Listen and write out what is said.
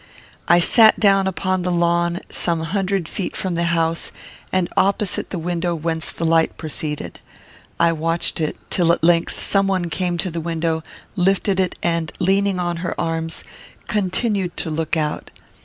I sat down upon the lawn, some hundred feet from the house, and opposite the window whence the light proceeded. I watched it, till at length some one came to the window, lifted it, and, leaning on her arms, continued to look out.